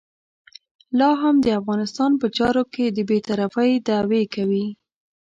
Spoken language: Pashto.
لا هم د افغانستان په چارو کې د بې طرفۍ دعوې کوي.